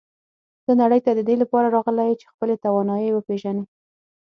ته نړۍ ته د دې لپاره راغلی یې چې خپلې توانایی وپېژنې.